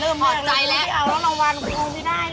เมื่อผมไปพี่เอาราวรรถแล้วพี่นายได้น่ะ